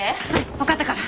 わかったから。